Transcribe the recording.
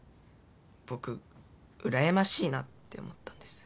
僕うらやましいなって思ったんです。